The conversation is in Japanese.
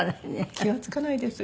気が付かないです